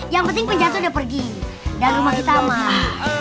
yang penting penjahat udah pergi dari rumah kita mak